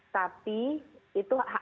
tapi itu angkat